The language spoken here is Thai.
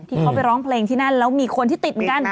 ที่เขาไปร้องเพลงที่นั่นแล้วมีคนที่ติดเหมือนกัน